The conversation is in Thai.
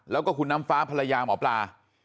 แล้วก็คุณน้ำฟ้าภรรยาหมอปลา